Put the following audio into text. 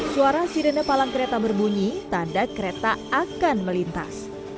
suara sirene palang kereta berbunyi tanda kereta akan melintas